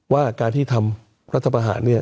ว่าการที่ทำรัฐประหารเนี่ย